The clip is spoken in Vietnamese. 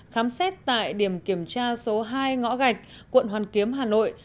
khám xét tại điểm kiểm tra số hai ngõ gạch quận hoàn kiếm hà nội